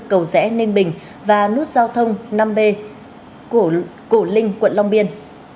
cầu rẽ ninh bình và nút giao thông năm b cổ linh quận long biên